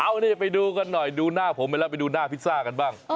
เอานี่ไปดูกันหน่อยดูหน้าผมไปแล้วไปดูหน้าพิซซ่ากันบ้าง